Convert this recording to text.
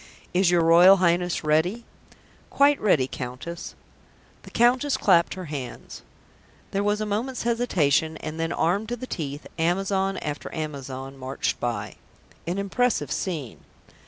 "Is your Royal Highness ready?" "Quite ready, Countess." The Countess clapped her hands. There was a moment's hesitation, and then, armed to the teeth, Amazon after Amazon marched by. ... An impressive scene.